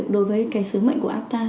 đối với cái sứ mệnh của apta